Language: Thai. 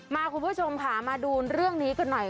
คุณผู้ชมค่ะมาดูเรื่องนี้กันหน่อย